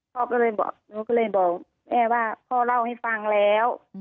พ่อก็เลยบอกหนูก็เลยบอกแม่ว่าพ่อเล่าให้ฟังแล้ว